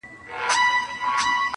آسمانه ما خو داسي نه غوښتله!!